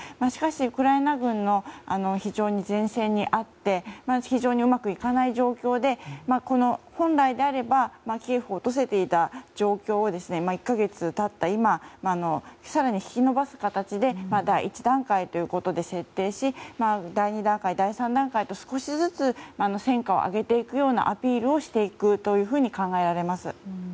しかし、ウクライナ軍の非常に善戦にあって非常にうまくいかない状況で本来であればキエフを落とせていた状況が１か月経った今更に引き延ばす形で第１段階ということで設定し第２段階、第３段階と少しずつ戦果を挙げていくようなアピールをしていくというふうに考えられます。